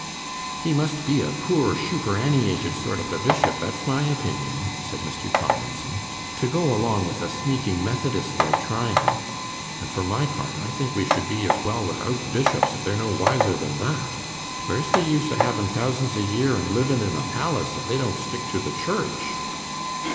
'He must be a poor shuperannyated sort of a bishop, that's my opinion,' said Mr. Tomlinson, 'to go along with a sneaking Methodist like Tryan. And, for my part, I think we should be as well wi'out bishops, if they're no wiser than that. Where's the use o' havin' thousands a year an' livin' in a pallis, if they don't stick to the Church?